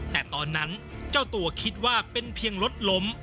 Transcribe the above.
แต่ตอนนั้นเจ้าตัวคิดว่าเป็นเพียงรถล้ม